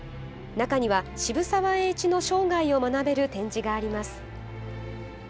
中には、渋沢栄一の生涯を学べる展示があります。